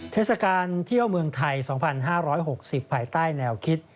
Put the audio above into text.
เทศกาลเที่ยวเมืองไทย๒๕๖๐ภายใต้แนวคิด